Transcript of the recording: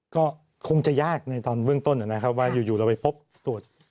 ก็คงจะยากในตอนเบื้องต้นนะครับว่าอยู่เราไปพบตรวจ